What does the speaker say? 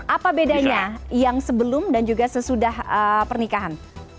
apa bedanya yang sebelum dan juga sesudah pernikahan